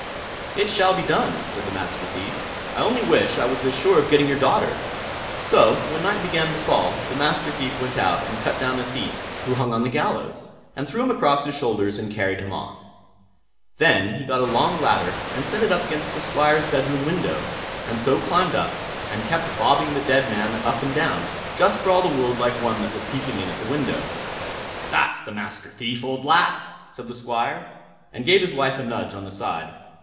"It shall be done", said the Master Thief. "I only wish I was as sure of getting your daughter." So when night began to fall, the Master Thief went out and cut down a thief who hung on the gallows, and threw him across his shoulders, and carried him off. Then he got a long ladder and set it up against the Squire's bedroom window, and so climbed up, and kept bobbing the dead man up and down, just for all the world like one that was peeping in at the window. "That's the Master Thief, old lass!" said the Squire, and gave his wife a nudge on the side.